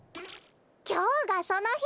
きょうがそのひ！